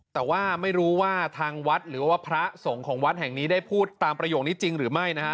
แต่ว่าไม่รู้ว่าทางวัดหรือว่าพระสงฆ์ของวัดแห่งนี้ได้พูดตามประโยคนี้จริงหรือไม่นะฮะ